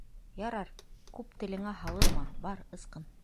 - Ярар, күп телеңә һалынма, бар, ысҡын!